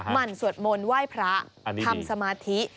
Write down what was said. หั่นสวดมนต์ไหว้พระทำสมาธิ